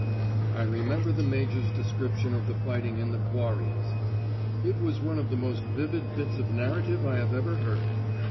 I remember the Major's description of the fighting in the Quarries; it was one of the most vivid bits of narrative I have ever heard.